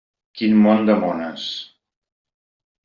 Quin món de mones.